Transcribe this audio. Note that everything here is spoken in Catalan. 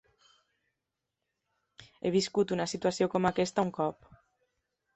He viscut una situació com aquesta un cop.